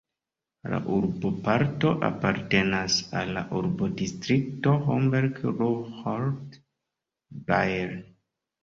La urboparto apartenas al la urbodistrikto Homberg-Ruhrort-Baerl.